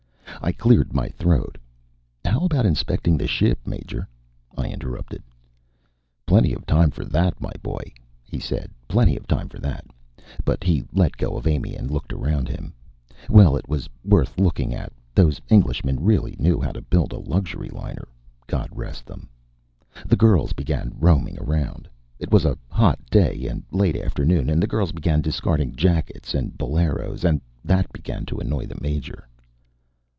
I cleared my throat. "How about inspecting the ship, Major?" I interrupted. "Plenty of time for that, my boy," he said. "Plenty of time for that." But he let go of Amy and looked around him. Well, it was worth looking at. Those Englishmen really knew how to build a luxury liner. God rest them. The girls began roaming around. It was a hot day and late afternoon, and the girls began discarding jackets and boleros, and that began to annoy the Major.